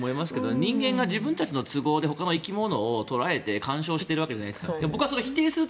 日本が自分たちの都合でほかの生き物を捉えて鑑賞してるわけじゃないですか。